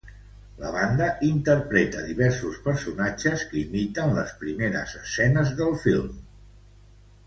La banda interpreta diversos personatges que imiten les primeres escenes del film.